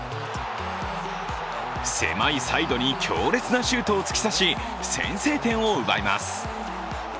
狭いサイドに強烈なシュートを突き刺し先制点を奪います。